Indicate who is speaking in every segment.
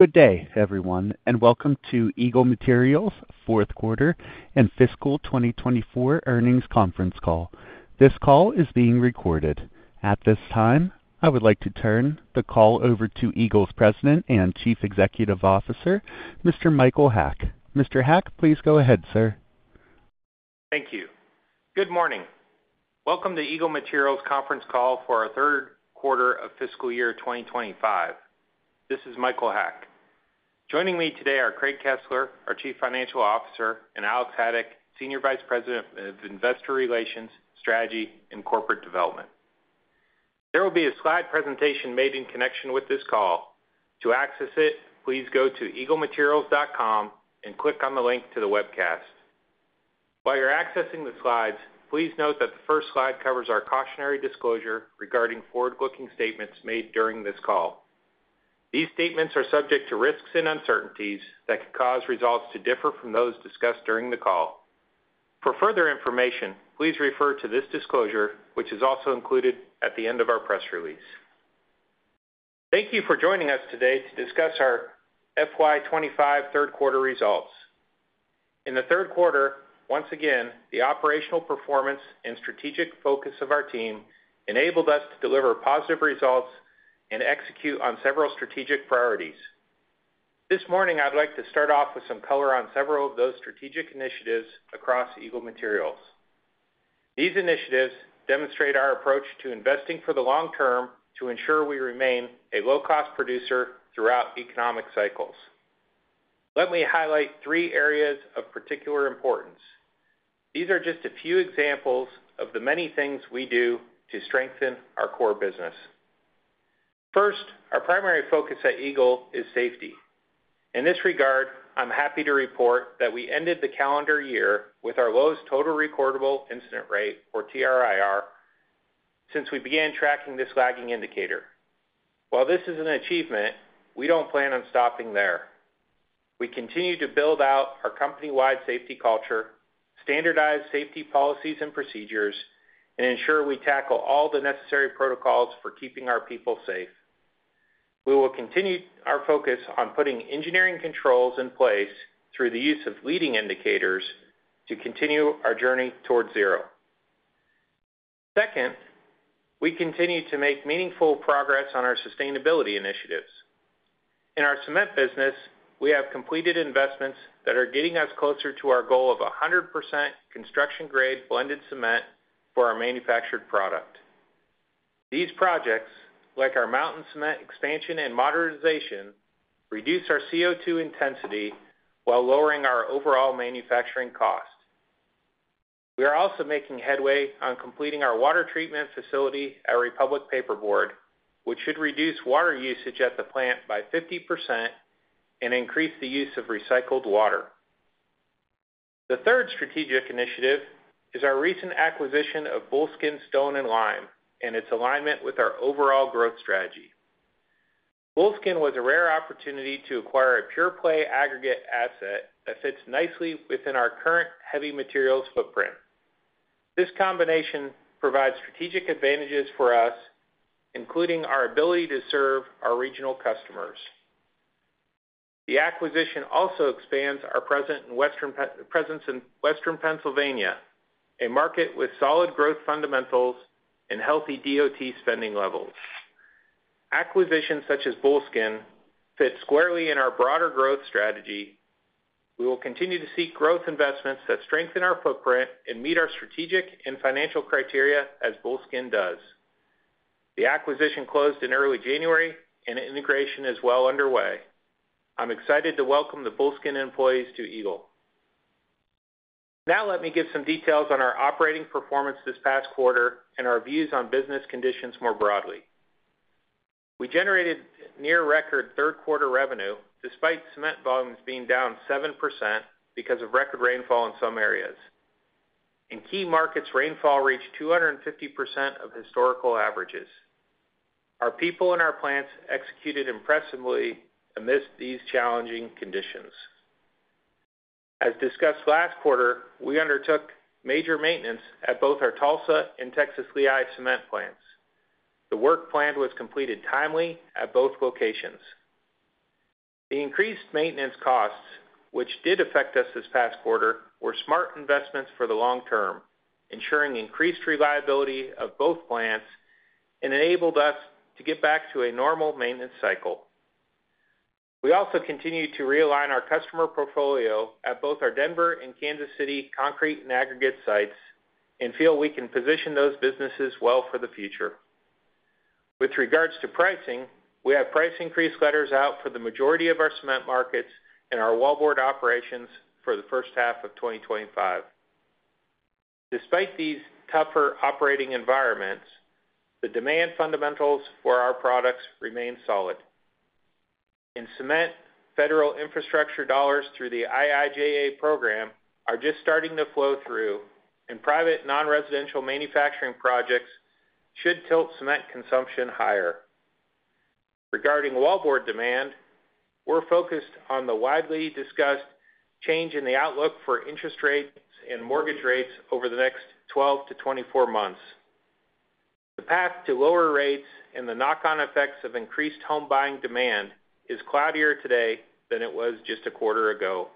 Speaker 1: Good day, everyone, and welcome to Eagle Materials' Fourth Quarter and Fiscal 2024 Earnings Conference Call. This call is being recorded. At this time, I would like to turn the call over to Eagle's President and Chief Executive Officer, Mr. Michael Haack. Mr. Haack, please go ahead, sir.
Speaker 2: Thank you. Good morning. Welcome to Eagle Materials' conference call for our third quarter of fiscal year 2025. This is Michael Haack. Joining me today are Craig Kesler, our Chief Financial Officer, and Alex Haddock, Senior Vice President of Investor Relations, Strategy, and Corporate Development. There will be a slide presentation made in connection with this call. To access it, please go to eaglematerials.com and click on the link to the webcast. While you're accessing the slides, please note that the first slide covers our cautionary disclosure regarding forward-looking statements made during this call. These statements are subject to risks and uncertainties that could cause results to differ from those discussed during the call. For further information, please refer to this disclosure, which is also included at the end of our press release. Thank you for joining us today to discuss our FY 2025 third quarter results. In the third quarter, once again, the operational performance and strategic focus of our team enabled us to deliver positive results and execute on several strategic priorities. This morning, I'd like to start off with some color on several of those strategic initiatives across Eagle Materials. These initiatives demonstrate our approach to investing for the long term to ensure we remain a low-cost producer throughout economic cycles. Let me highlight three areas of particular importance. These are just a few examples of the many things we do to strengthen our core business. First, our primary focus at Eagle is safety. In this regard, I'm happy to report that we ended the calendar year with our lowest total recordable incident rate, or TRIR, since we began tracking this lagging indicator. While this is an achievement, we don't plan on stopping there. We continue to build out our company-wide safety culture, standardize safety policies and procedures, and ensure we tackle all the necessary protocols for keeping our people safe. We will continue our focus on putting engineering controls in place through the use of leading indicators to continue our journey towards zero. Second, we continue to make meaningful progress on our sustainability initiatives. In our cement business, we have completed investments that are getting us closer to our goal of 100% construction-grade blended cement for our manufactured product. These projects, like our Mountain Cement expansion and modernization, reduce our CO2 intensity while lowering our overall manufacturing cost. We are also making headway on completing our water treatment facility at Republic Paperboard, which should reduce water usage at the plant by 50% and increase the use of recycled water. The third strategic initiative is our recent acquisition of Bullskin Stone and Lime and its alignment with our overall growth strategy. Bullskin was a rare opportunity to acquire a pure-play aggregate asset that fits nicely within our current heavy materials footprint. This combination provides strategic advantages for us, including our ability to serve our regional customers. The acquisition also expands our presence in Western Pennsylvania, a market with solid growth fundamentals and healthy DOT spending levels. Acquisitions such as Bullskin fit squarely in our broader growth strategy. We will continue to seek growth investments that strengthen our footprint and meet our strategic and financial criteria, as Bullskin does. The acquisition closed in early January, and integration is well underway. I'm excited to welcome the Bullskin employees to Eagle. Now, let me give some details on our operating performance this past quarter and our views on business conditions more broadly. We generated near-record third quarter revenue despite cement volumes being down 7% because of record rainfall in some areas. In key markets, rainfall reached 250% of historical averages. Our people and our plants executed impressively amidst these challenging conditions. As discussed last quarter, we undertook major maintenance at both our Tulsa and Texas Lehigh cement plants. The work planned was completed timely at both locations. The increased maintenance costs, which did affect us this past quarter, were smart investments for the long term, ensuring increased reliability of both plants and enabled us to get back to a normal maintenance cycle. We also continue to realign our customer portfolio at both our Denver and Kansas City concrete and aggregate sites and feel we can position those businesses well for the future. With regards to pricing, we have price increase letters out for the majority of our cement markets and our wallboard operations for the first half of 2025. Despite these tougher operating environments, the demand fundamentals for our products remain solid. In cement, federal infrastructure dollars through the IIJA program are just starting to flow through, and private non-residential manufacturing projects should tilt cement consumption higher. Regarding wallboard demand, we're focused on the widely discussed change in the outlook for interest rates and mortgage rates over the next 12 to 24 months. The path to lower rates and the knock-on effects of increased home buying demand is cloudier today than it was just a quarter ago.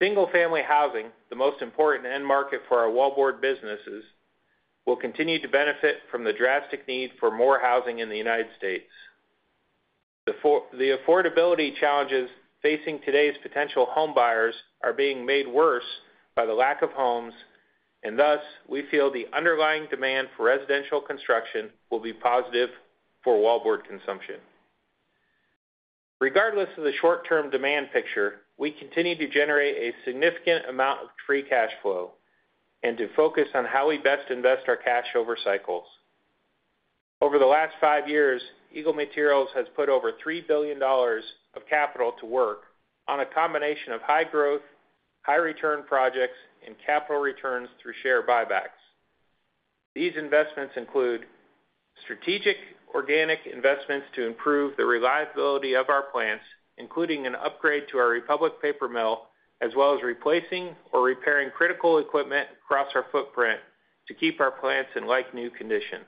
Speaker 2: Single-family housing, the most important end market for our wallboard businesses, will continue to benefit from the drastic need for more housing in the United States. The affordability challenges facing today's potential home buyers are being made worse by the lack of homes, and thus we feel the underlying demand for residential construction will be positive for wallboard consumption. Regardless of the short-term demand picture, we continue to generate a significant amount of free cash flow and to focus on how we best invest our cash over cycles. Over the last five years, Eagle Materials has put over $3 billion of capital to work on a combination of high-growth, high-return projects and capital returns through share buybacks. These investments include strategic organic investments to improve the reliability of our plants, including an upgrade to our Republic Paper Mill, as well as replacing or repairing critical equipment across our footprint to keep our plants in like-new condition.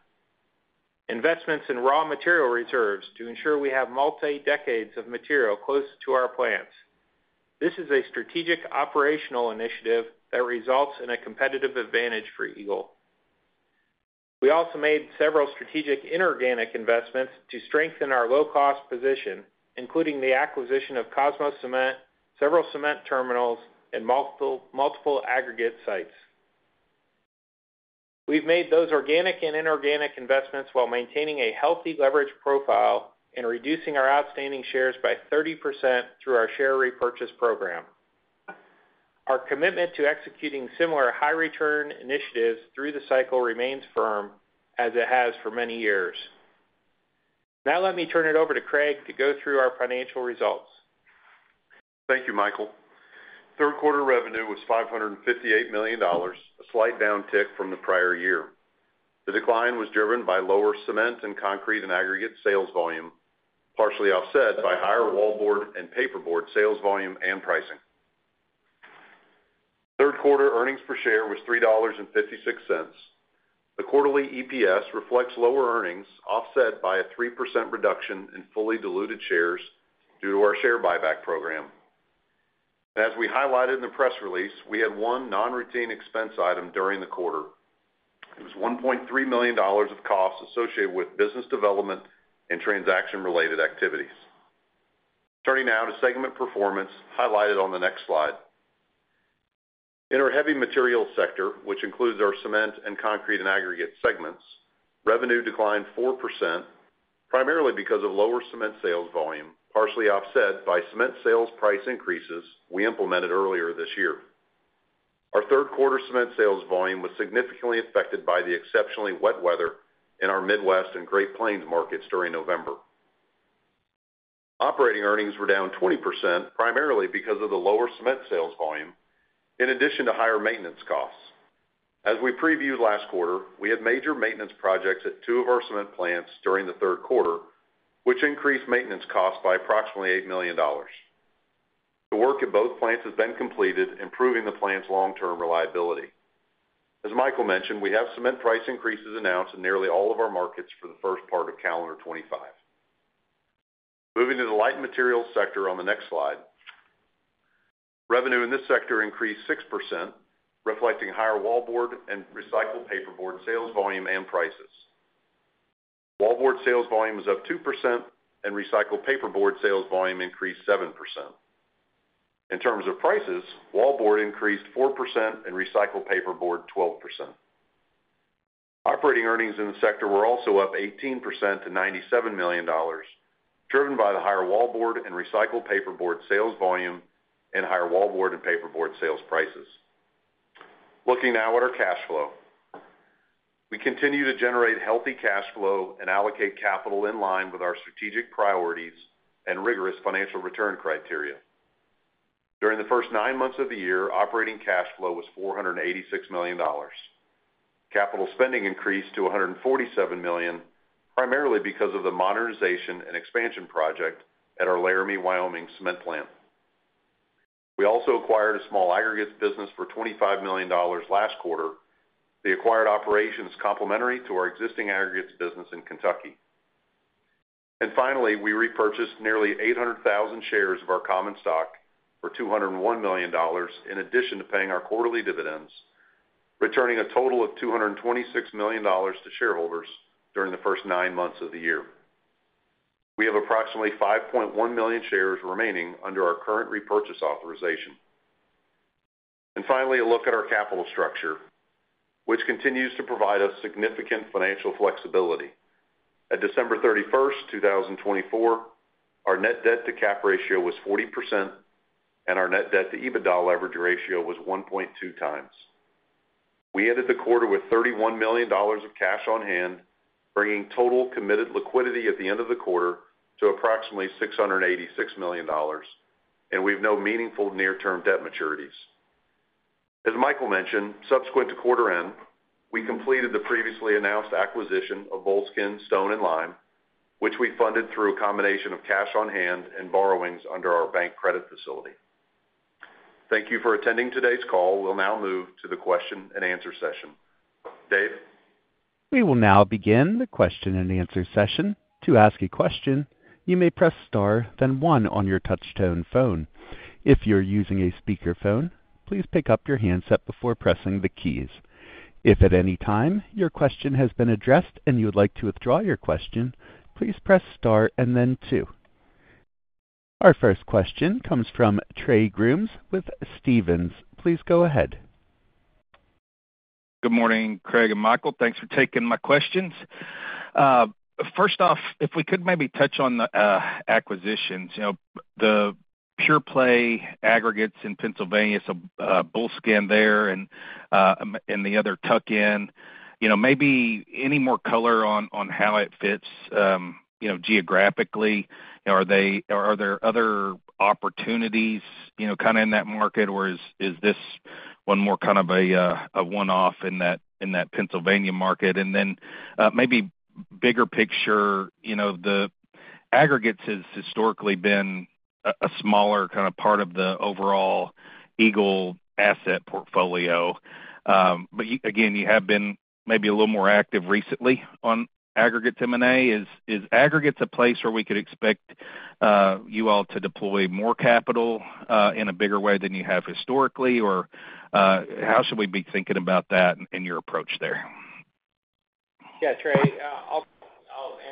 Speaker 2: Investments in raw material reserves to ensure we have multi-decades of material close to our plants. This is a strategic operational initiative that results in a competitive advantage for Eagle. We also made several strategic inorganic investments to strengthen our low-cost position, including the acquisition of Kosmos Cement, several cement terminals, and multiple aggregate sites. We've made those organic and inorganic investments while maintaining a healthy leverage profile and reducing our outstanding shares by 30% through our share repurchase program. Our commitment to executing similar high-return initiatives through the cycle remains firm as it has for many years. Now, let me turn it over to Craig to go through our financial results.
Speaker 3: Thank you, Michael. Third quarter revenue was $558 million, a slight downtick from the prior year. The decline was driven by lower cement and concrete and aggregate sales volume, partially offset by higher wallboard and paperboard sales volume and pricing. Third quarter earnings per share was $3.56. The quarterly EPS reflects lower earnings, offset by a 3% reduction in fully diluted shares due to our share buyback program. As we highlighted in the press release, we had one non-routine expense item during the quarter. It was $1.3 million of costs associated with business development and transaction-related activities. Turning now to segment performance, highlighted on the next slide. In our heavy materials sector, which includes our cement and concrete and aggregate segments, revenue declined 4%, primarily because of lower cement sales volume, partially offset by cement sales price increases we implemented earlier this year. Our third quarter cement sales volume was significantly affected by the exceptionally wet weather in our Midwest and Great Plains markets during November. Operating earnings were down 20%, primarily because of the lower cement sales volume, in addition to higher maintenance costs. As we previewed last quarter, we had major maintenance projects at two of our cement plants during the third quarter, which increased maintenance costs by approximately $8 million. The work at both plants has been completed, improving the plant's long-term reliability. As Michael mentioned, we have cement price increases announced in nearly all of our markets for the first part of calendar 2025. Moving to the light materials sector on the next slide. Revenue in this sector increased 6%, reflecting higher wallboard and recycled paperboard sales volume and prices. Wallboard sales volume was up 2%, and recycled paperboard sales volume increased 7%. In terms of prices, wallboard increased 4% and recycled paperboard 12%. Operating earnings in the sector were also up 18% to $97 million, driven by the higher wallboard and recycled paperboard sales volume and higher wallboard and paperboard sales prices. Looking now at our cash flow, we continue to generate healthy cash flow and allocate capital in line with our strategic priorities and rigorous financial return criteria. During the first nine months of the year, operating cash flow was $486 million. Capital spending increased to $147 million, primarily because of the modernization and expansion project at our Laramie, Wyoming cement plant. We also acquired a small aggregates business for $25 million last quarter, the acquired operations complementary to our existing aggregates business in Kentucky. Finally, we repurchased nearly 800,000 shares of our common stock for $201 million, in addition to paying our quarterly dividends, returning a total of $226 million to shareholders during the first nine months of the year. We have approximately 5.1 million shares remaining under our current repurchase authorization. Finally, a look at our capital structure, which continues to provide us significant financial flexibility. At December 31st, 2024, our net debt-to-cap ratio was 40%, and our net debt-to-EBITDA leverage ratio was 1.2 times. We ended the quarter with $31 million of cash on hand, bringing total committed liquidity at the end of the quarter to approximately $686 million, and we have no meaningful near-term debt maturities. As Michael mentioned, subsequent to quarter end, we completed the previously announced acquisition of Bullskin Stone and Lime, which we funded through a combination of cash on hand and borrowings under our bank credit facility. Thank you for attending today's call. We'll now move to the question and answer session. Dave?
Speaker 1: We will now begin the question and answer session. To ask a question, you may press star, then one on your touchtone phone. If you're using a speakerphone, please pick up your handset before pressing the keys. If at any time your question has been addressed and you would like to withdraw your question, please press star and then two. Our first question comes from Trey Grooms with Stephens. Please go ahead.
Speaker 4: Good morning, Craig and Michael. Thanks for taking my questions. First off, if we could maybe touch on the acquisitions, the pure-play aggregates in Pennsylvania, so Bullskin there and the other tuck-in, maybe any more color on how it fits geographically. Are there other opportunities kind of in that market, or is this one more kind of a one-off in that Pennsylvania market? And then maybe bigger picture, the aggregates has historically been a smaller kind of part of the overall Eagle asset portfolio. But again, you have been maybe a little more active recently on aggregates M&A. Is aggregates a place where we could expect you all to deploy more capital in a bigger way than you have historically, or how should we be thinking about that and your approach there?
Speaker 2: Yeah, Trey, I'll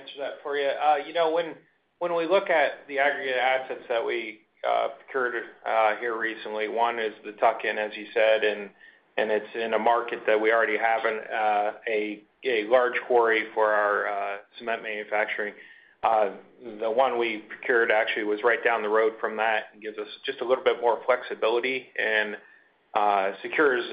Speaker 2: answer that for you. When we look at the aggregate assets that we procured here recently, one is the tuck-in, as you said, and it's in a market that we already have a large quarry for our cement manufacturing. The one we procured actually was right down the road from that and gives us just a little bit more flexibility and secures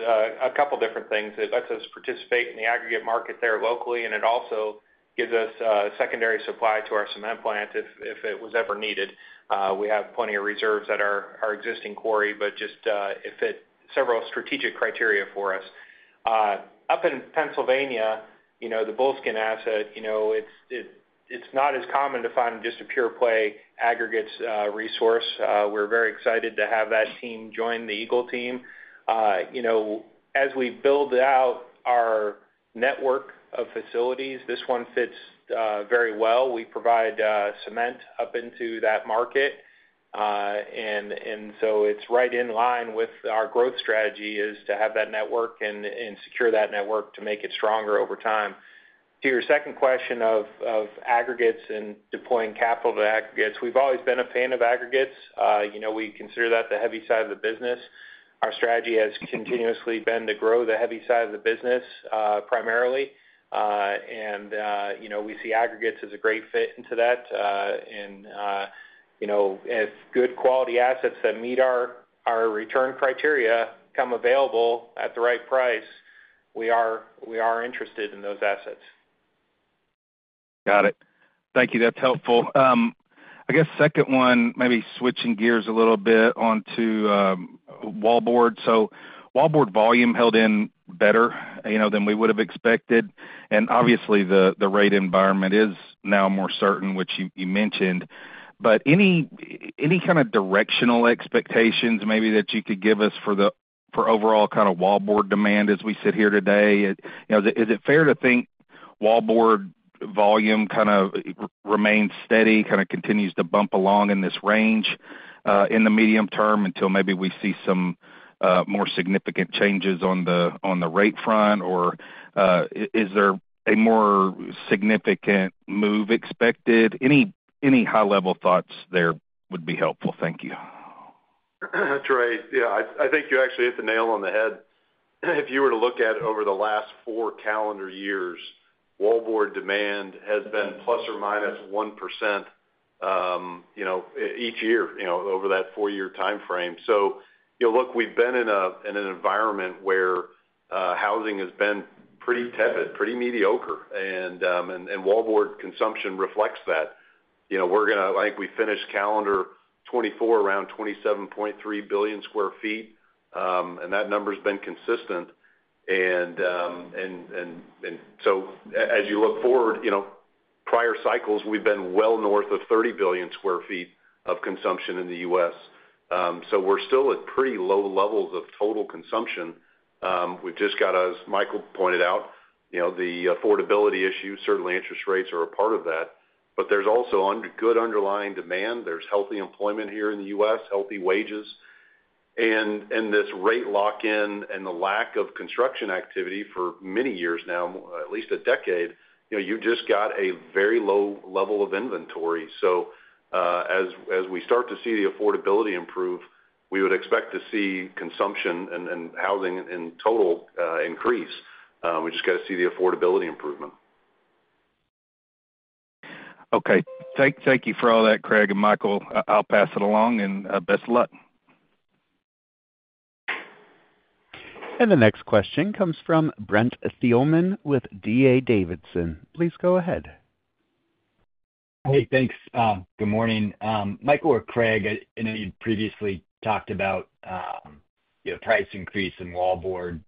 Speaker 2: a couple of different things. It lets us participate in the aggregate market there locally, and it also gives us secondary supply to our cement plant if it was ever needed. We have plenty of reserves at our existing quarry, but just several strategic criteria for us. Up in Pennsylvania, the Bullskin asset, it's not as common to find just a pure-play aggregates resource. We're very excited to have that team join the Eagle team. As we build out our network of facilities, this one fits very well. We provide cement up into that market, and so it's right in line with our growth strategy, is to have that network and secure that network to make it stronger over time. To your second question of aggregates and deploying capital to aggregates, we've always been a fan of aggregates. We consider that the heavy side of the business. Our strategy has continuously been to grow the heavy side of the business primarily, and we see aggregates as a great fit into that, and if good quality assets that meet our return criteria come available at the right price, we are interested in those assets.
Speaker 4: Got it. Thank you. That's helpful. I guess second one, maybe switching gears a little bit onto wallboard. So wallboard volume held in better than we would have expected. And obviously, the rate environment is now more certain, which you mentioned. But any kind of directional expectations maybe that you could give us for overall kind of wallboard demand as we sit here today? Is it fair to think wallboard volume kind of remains steady, kind of continues to bump along in this range in the medium term until maybe we see some more significant changes on the rate front, or is there a more significant move expected? Any high-level thoughts there would be helpful. Thank you.
Speaker 3: That's right. Yeah. I think you actually hit the nail on the head. If you were to look at over the last four calendar years, wallboard demand has been plus or minus 1% each year over that four-year timeframe. So look, we've been in an environment where housing has been pretty tepid, pretty mediocre, and wallboard consumption reflects that. We're going to, I think we finished calendar 2024 around 27.3 billion sq ft, and that number has been consistent. And so as you look forward, prior cycles, we've been well north of 30 billion sq ft of consumption in the U.S. So we're still at pretty low levels of total consumption. We've just got, as Michael pointed out, the affordability issue. Certainly, interest rates are a part of that, but there's also good underlying demand. There's healthy employment here in the U.S., healthy wages. And this rate lock-in and the lack of construction activity for many years now, at least a decade, you've just got a very low level of inventory. So as we start to see the affordability improve, we would expect to see consumption and housing in total increase. We just got to see the affordability improvement.
Speaker 4: Okay. Thank you for all that, Craig and Michael. I'll pass it along, and best of luck.
Speaker 1: And the next question comes from Brent Thielman with D.A. Davidson. Please go ahead.
Speaker 5: Hey, thanks. Good morning. Michael or Craig, I know you'd previously talked about price increase and wallboard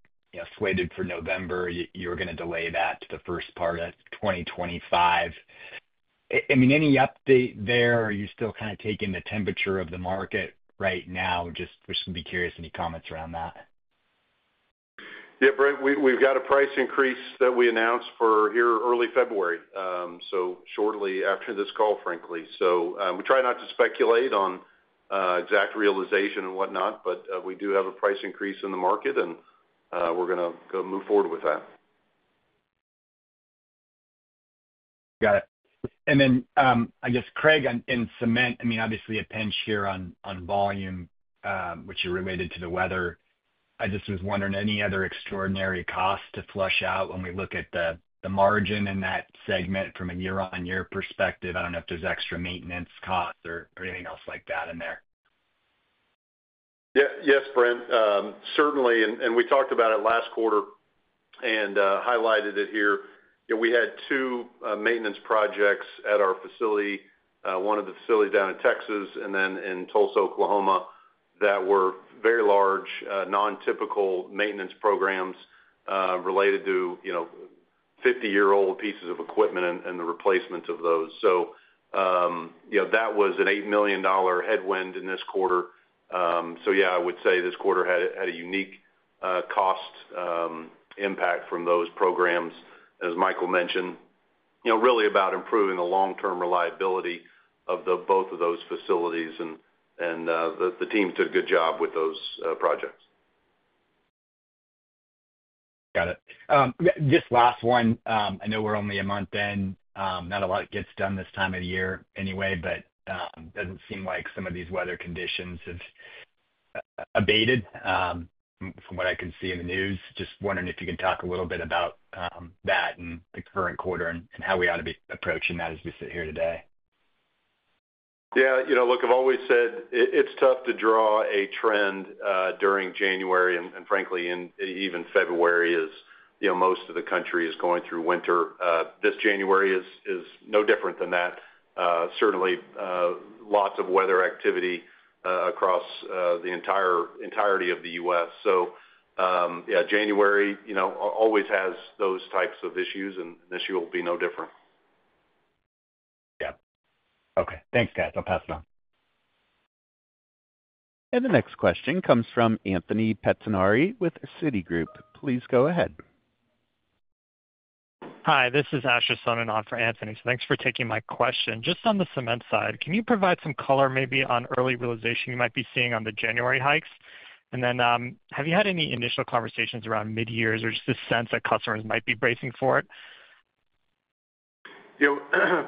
Speaker 5: slated for November. You were going to delay that to the first part of 2025. I mean, any update there, or are you still kind of taking the temperature of the market right now? Just would be curious any comments around that.
Speaker 3: Yeah, Brent, we've got a price increase that we announced for here early February, so shortly after this call, frankly. So we try not to speculate on exact realization and whatnot, but we do have a price increase in the market, and we're going to move forward with that.
Speaker 5: Got it. And then I guess, Craig, in cement, I mean, obviously a pinch here on volume, which is related to the weather. I just was wondering, any other extraordinary costs to flesh out when we look at the margin in that segment from a year-on-year perspective? I don't know if there's extra maintenance costs or anything else like that in there.
Speaker 3: Yes, Brent. Certainly, and we talked about it last quarter and highlighted it here. We had two maintenance projects at our facility, one of the facilities down in Texas and then in Tulsa, Oklahoma, that were very large, non-typical maintenance programs related to 50-year-old pieces of equipment and the replacement of those. So that was an $8 million headwind in this quarter. So yeah, I would say this quarter had a unique cost impact from those programs, as Michael mentioned, really about improving the long-term reliability of both of those facilities, and the team did a good job with those projects.
Speaker 5: Got it. Just last one. I know we're only a month in. Not a lot gets done this time of the year anyway, but it doesn't seem like some of these weather conditions have abated from what I can see in the news. Just wondering if you can talk a little bit about that and the current quarter and how we ought to be approaching that as we sit here today.
Speaker 3: Yeah. Look, I've always said it's tough to draw a trend during January, and frankly, even February, as most of the country is going through winter. This January is no different than that. Certainly, lots of weather activity across the entirety of the U.S. So yeah, January always has those types of issues, and this year will be no different.
Speaker 5: Yeah. Okay. Thanks, guys. I'll pass it on.
Speaker 1: And the next question comes from Anthony Pettinari with Citigroup. Please go ahead.
Speaker 6: Hi, this is Asher Sohnen for Anthony. So thanks for taking my question. Just on the cement side, can you provide some color maybe on early realization you might be seeing on the January hikes? And then have you had any initial conversations around mid-years or just a sense that customers might be bracing for it?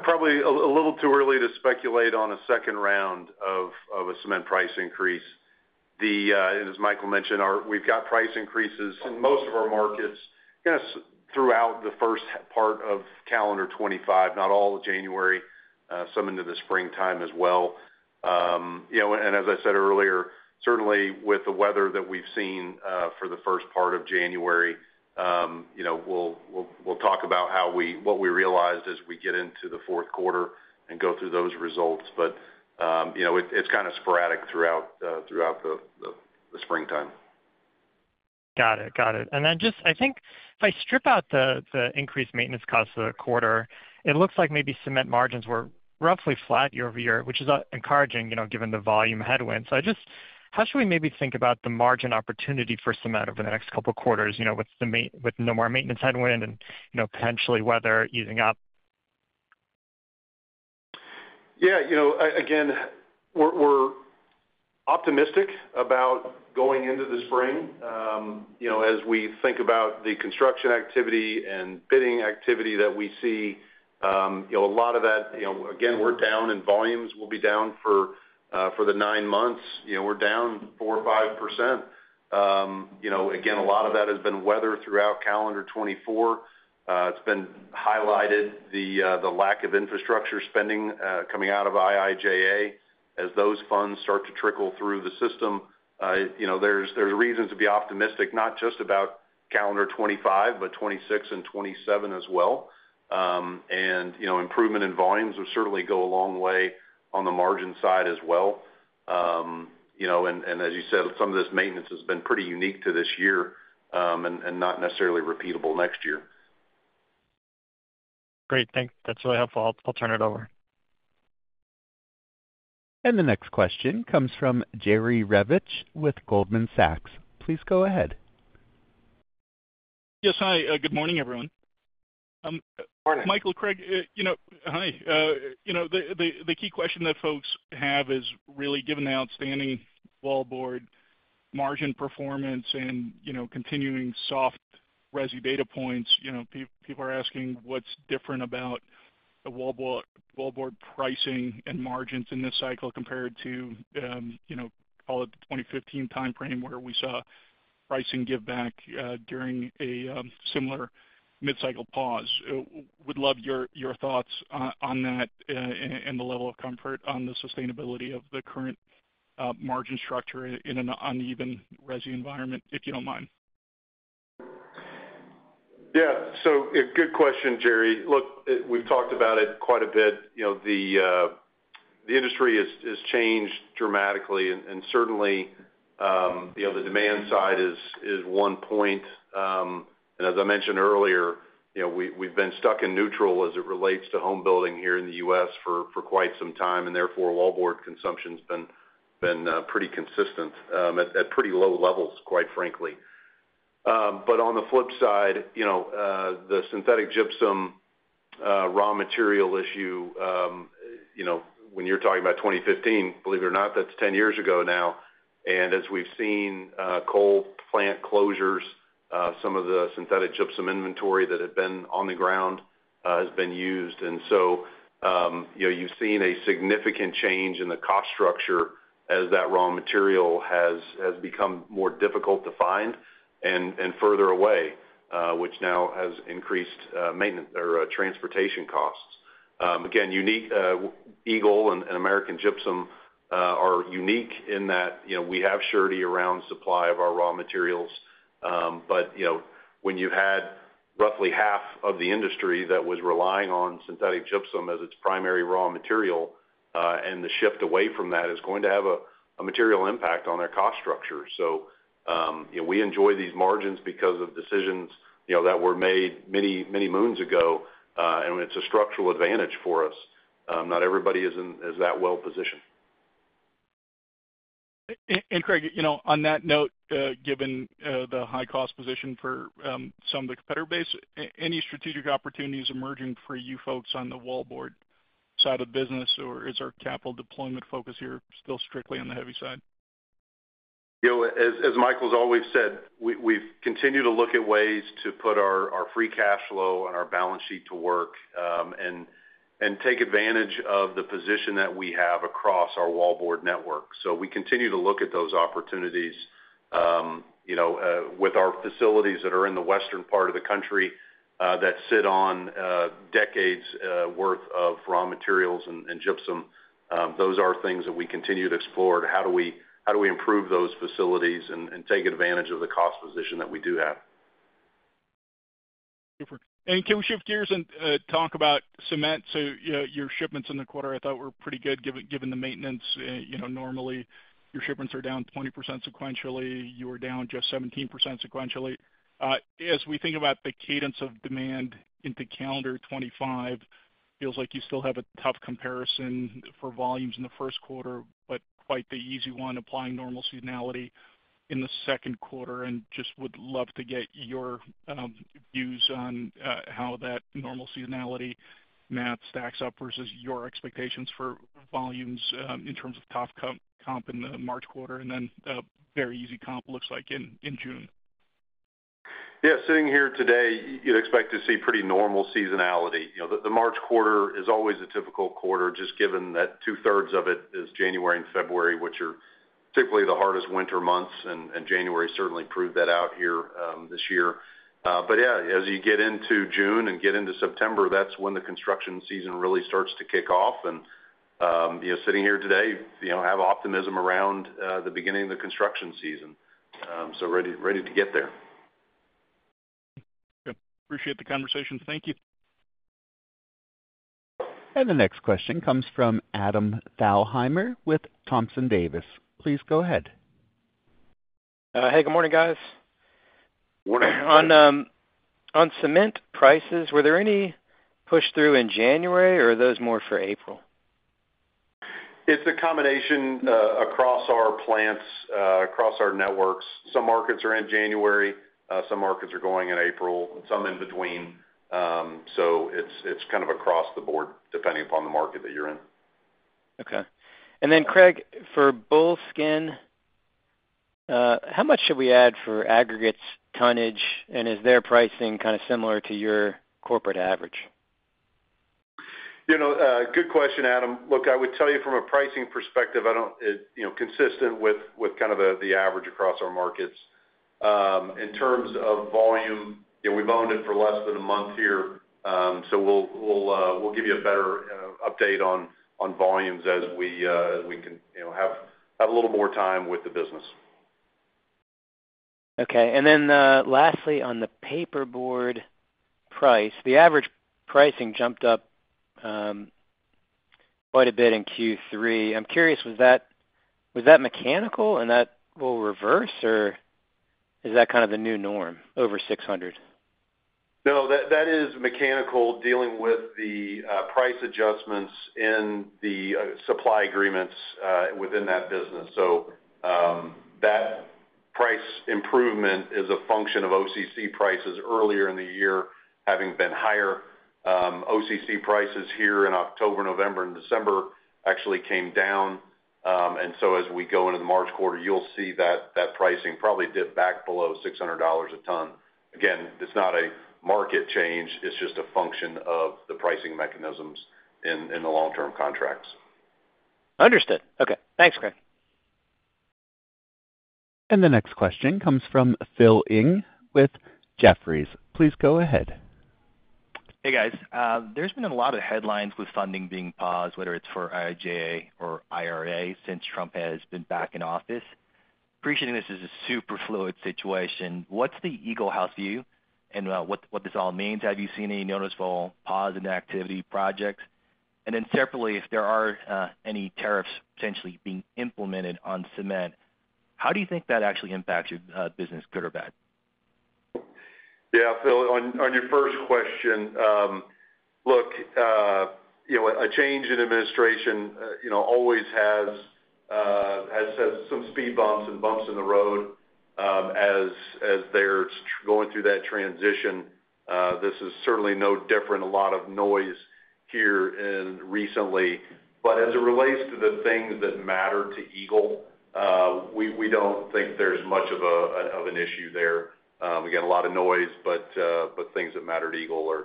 Speaker 3: Probably a little too early to speculate on a second round of a cement price increase. And as Michael mentioned, we've got price increases in most of our markets kind of throughout the first part of calendar 2025, not all of January, some into the springtime as well. And as I said earlier, certainly with the weather that we've seen for the first part of January, we'll talk about what we realized as we get into the fourth quarter and go through those results. But it's kind of sporadic throughout the springtime.
Speaker 6: Got it. Got it. And then just I think if I strip out the increased maintenance costs of the quarter, it looks like maybe cement margins were roughly flat year-over-year, which is encouraging given the volume headwind. So I just, how should we maybe think about the margin opportunity for cement over the next couple of quarters with no more maintenance headwind and potentially weather easing up?
Speaker 3: Yeah. Again, we're optimistic about going into the spring. As we think about the construction activity and bidding activity that we see, a lot of that, again, we're down in volumes. We'll be down for the nine months. We're down 4%, 5%. Again, a lot of that has been weather throughout calendar 2024. It's been highlighted, the lack of infrastructure spending coming out of IIJA as those funds start to trickle through the system. There's reasons to be optimistic, not just about calendar 2025, but 2026 and 2027 as well. And improvement in volumes will certainly go a long way on the margin side as well. And as you said, some of this maintenance has been pretty unique to this year and not necessarily repeatable next year.
Speaker 6: Great. Thanks. That's really helpful. I'll turn it over.
Speaker 1: And the next question comes from Jerry Revich with Goldman Sachs. Please go ahead.
Speaker 7: Yes, hi. Good morning, everyone.
Speaker 2: Morning.
Speaker 7: Michael, Craig, hi. The key question that folks have is really given the outstanding wallboard margin performance and continuing soft res data points, people are asking what's different about the wallboard pricing and margins in this cycle compared to, call it, the 2015 timeframe where we saw pricing give back during a similar mid-cycle pause. Would love your thoughts on that and the level of comfort on the sustainability of the current margin structure in an uneven res environment, if you don't mind.
Speaker 2: Yeah. So good question, Jerry. Look, we've talked about it quite a bit. The industry has changed dramatically, and certainly the demand side is one point. And as I mentioned earlier, we've been stuck in neutral as it relates to home building here in the U.S. for quite some time, and therefore wallboard consumption has been pretty consistent at pretty low levels, quite frankly. But on the flip side, the synthetic gypsum raw material issue, when you're talking about 2015, believe it or not, that's 10 years ago now. And as we've seen coal plant closures, some of the synthetic gypsum inventory that had been on the ground has been used. And so you've seen a significant change in the cost structure as that raw material has become more difficult to find and further away, which now has increased transportation costs. Again, Eagle and American Gypsum are unique in that we have secure and abundant supply of our raw materials. But when you had roughly half of the industry that was relying on synthetic gypsum as its primary raw material, and the shift away from that is going to have a material impact on their cost structure. So we enjoy these margins because of decisions that were made many moons ago, and it's a structural advantage for us. Not everybody is that well positioned.
Speaker 7: And Craig, on that note, given the high-cost position for some of the competitor base, any strategic opportunities emerging for you folks on the wallboard side of the business, or is our capital deployment focus here still strictly on the heavy side?
Speaker 3: As Michael's always said, we've continued to look at ways to put our free cash flow and our balance sheet to work and take advantage of the position that we have across our wallboard network. So we continue to look at those opportunities with our facilities that are in the western part of the country that sit on decades' worth of raw materials and gypsum. Those are things that we continue to explore. How do we improve those facilities and take advantage of the cost position that we do have?
Speaker 7: Super. And can we shift gears and talk about cement? So your shipments in the quarter, I thought, were pretty good given the maintenance. Normally, your shipments are down 20% sequentially. You were down just 17% sequentially. As we think about the cadence of demand into calendar 2025, it feels like you still have a tough comparison for volumes in the first quarter, but quite the easy one applying normal seasonality in the second quarter. And just would love to get your views on how that normal seasonality math stacks up versus your expectations for volumes in terms of tough comp in the March quarter and then very easy comp looks like in June.
Speaker 3: Yeah. Sitting here today, you'd expect to see pretty normal seasonality. The March quarter is always a typical quarter, just given that two-thirds of it is January and February, which are typically the hardest winter months, and January certainly proved that out here this year. But yeah, as you get into June and get into September, that's when the construction season really starts to kick off. And sitting here today, have optimism around the beginning of the construction season. So ready to get there.
Speaker 7: Good. Appreciate the conversation. Thank you.
Speaker 1: The next question comes from Adam Thalhimer with Thompson Davis. Please go ahead.
Speaker 8: Hey, good morning, guys.
Speaker 2: Morning.
Speaker 8: On cement prices, were there any push through in January, or are those more for April?
Speaker 2: It's a combination across our plants, across our networks. Some markets are in January. Some markets are going in April, some in between. So it's kind of across the board depending upon the market that you're in.
Speaker 8: Okay, and then, Craig, for Bullskin, how much should we add for aggregates tonnage, and is their pricing kind of similar to your corporate average?
Speaker 3: Good question, Adam. Look, I would tell you from a pricing perspective, consistent with kind of the average across our markets. In terms of volume, we've owned it for less than a month here. So we'll give you a better update on volumes as we have a little more time with the business.
Speaker 8: Okay. And then lastly, on the paperboard price, the average pricing jumped up quite a bit in Q3. I'm curious, was that mechanical and that will reverse, or is that kind of the new norm over 600?
Speaker 3: No, that is mechanical dealing with the price adjustments in the supply agreements within that business, so that price improvement is a function of OCC prices earlier in the year having been higher. OCC prices here in October, November, and December actually came down, and so as we go into the March quarter, you'll see that pricing probably dip back below $600 a ton. Again, it's not a market change. It's just a function of the pricing mechanisms in the long-term contracts.
Speaker 8: Understood. Okay. Thanks, Craig.
Speaker 1: The next question comes from Philip Ng with Jefferies. Please go ahead.
Speaker 9: Hey, guys. There's been a lot of headlines with funding being paused, whether it's for IIJA or IRA since Trump has been back in office. Appreciating this is a super fluid situation. What's the Eagle's house view and what this all means? Have you seen any noticeable pause in activity projects? And then separately, if there are any tariffs potentially being implemented on cement, how do you think that actually impacts your business, good or bad?
Speaker 2: Yeah. On your first question, look, a change in administration always has some speed bumps and bumps in the road as they're going through that transition. This is certainly no different. A lot of noise here recently. But as it relates to the things that matter to Eagle, we don't think there's much of an issue there. We get a lot of noise, but things that matter to Eagle,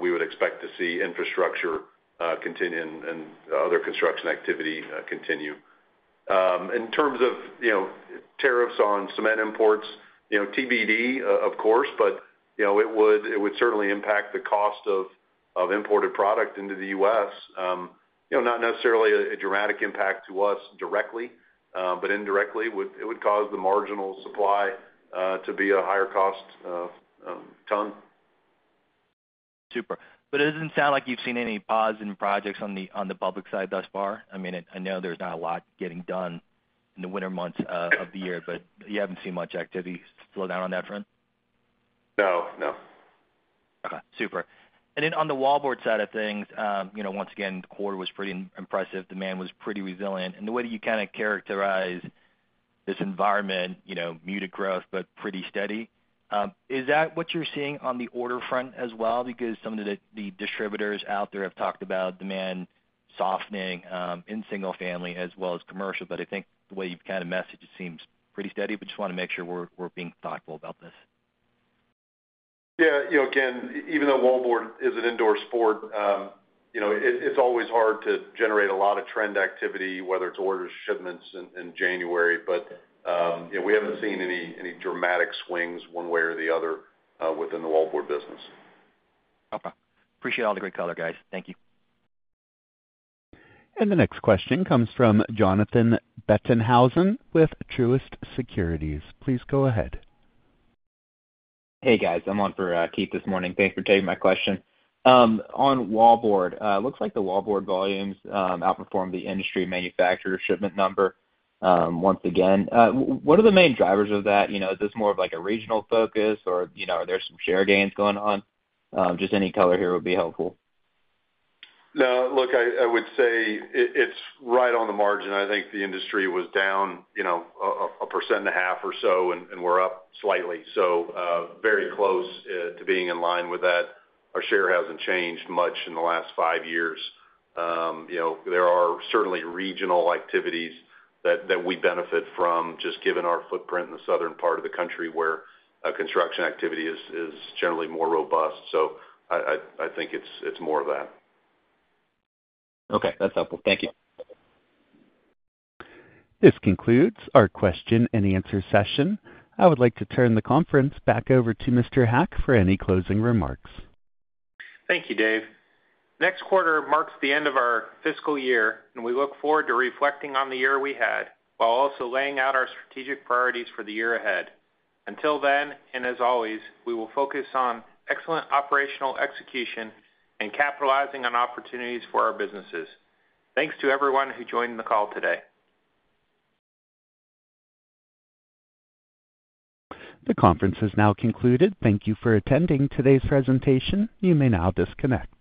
Speaker 2: we would expect to see infrastructure and other construction activity continue. In terms of tariffs on cement imports, TBD, of course, but it would certainly impact the cost of imported product into the U.S. Not necessarily a dramatic impact to us directly, but indirectly, it would cause the marginal supply to be a higher cost ton.
Speaker 9: Super. But it doesn't sound like you've seen any pause in projects on the public side thus far. I mean, I know there's not a lot getting done in the winter months of the year, but you haven't seen much activity slow down on that front?
Speaker 2: No. No.
Speaker 9: Okay. Super. And then on the wallboard side of things, once again, the quarter was pretty impressive. Demand was pretty resilient. And the way that you kind of characterize this environment, muted growth, but pretty steady. Is that what you're seeing on the order front as well? Because some of the distributors out there have talked about demand softening in single-family as well as commercial. But I think the way you've kind of messaged it seems pretty steady. But just want to make sure we're being thoughtful about this.
Speaker 2: Yeah. Again, even though wallboard is an indoor sport, it's always hard to generate a lot of trend activity, whether it's orders or shipments in January. But we haven't seen any dramatic swings one way or the other within the wallboard business.
Speaker 9: Okay. Appreciate all the great color, guys. Thank you.
Speaker 1: The next question comes from Jonathan Bettenhausen with Truist Securities. Please go ahead.
Speaker 10: Hey, guys. I'm on for Keith this morning. Thanks for taking my question. On wallboard, it looks like the wallboard volumes outperform the industry manufacturer shipment number once again. What are the main drivers of that? Is this more of a regional focus, or are there some share gains going on? Just any color here would be helpful.
Speaker 2: No. Look, I would say it's right on the margin. I think the industry was down 1.5% or so, and we're up slightly. So very close to being in line with that. Our share hasn't changed much in the last five years. There are certainly regional activities that we benefit from, just given our footprint in the southern part of the country where construction activity is generally more robust. So I think it's more of that.
Speaker 10: Okay. That's helpful. Thank you.
Speaker 1: This concludes our question and answer session. I would like to turn the conference back over to Mr. Haack for any closing remarks.
Speaker 2: Thank you, Dave. Next quarter marks the end of our fiscal year, and we look forward to reflecting on the year we had while also laying out our strategic priorities for the year ahead. Until then, and as always, we will focus on excellent operational execution and capitalizing on opportunities for our businesses. Thanks to everyone who joined the call today.
Speaker 1: The conference has now concluded. Thank you for attending today's presentation. You may now disconnect.